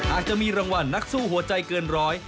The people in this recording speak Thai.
อาจจะมีรางวัลนักสู้หัวใจเกินร้อย